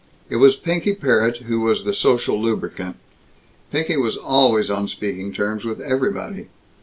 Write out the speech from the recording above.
It was Pinky Parrott who was the social lubricant. Pinky was always on speaking terms with everybody.